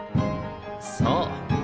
そう。